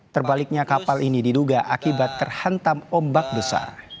terbaliknya kapal ini diduga akibat terhantam ombak besar